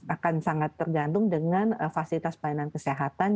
akan sangat tergantung dengan fasilitas pelayanan kesehatan